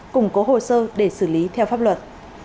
củng cố hồ sơ để xử lý theo pháp luật